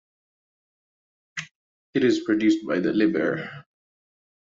It is produced by the liver.